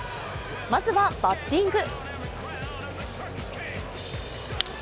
まずはバッティング。